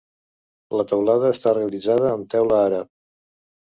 La teulada està realitzada amb teula àrab.